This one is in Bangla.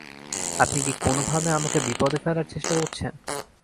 আপনি কি কোনোভাবে আমাকে বিপদে ফেলার চেষ্টা করছেন?